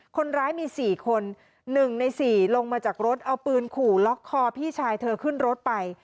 คนร้ายมี๔คน๑ใน๔ลงมาจากรถเอาปืนขู่ล็อกคอพี่ชายเธอขึ้นรถไป